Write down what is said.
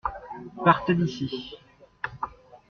Partez d’ici.